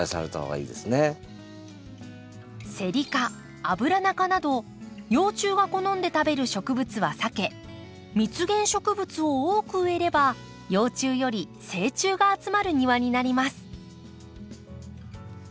セリ科アブラナ科など幼虫が好んで食べる植物は避け蜜源植物を多く植えれば幼虫より成虫が集まる庭になります。